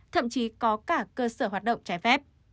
thậm chí có cả cơ sở hoạt động trái phép